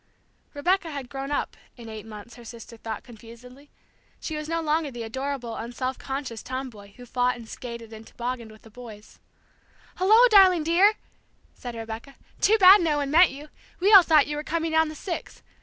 Rebecca had grown up, in eight months, her sister thought, confusedly; she was no longer the adorable, un self conscious tomboy who fought and skated and toboganned with the boys. "Hello, darling dear!" said Rebecca. "Too bad no one met you! We all thought you were coming on the six.